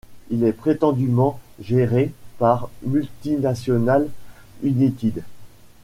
Il est prétendument géré par Multi-National United.